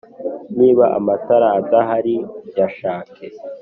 niba amatara adahari yashake